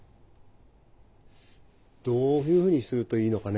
どういうふうにするといいのかね